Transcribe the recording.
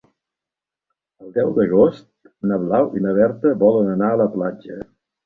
El deu d'agost na Blau i na Berta volen anar a la platja.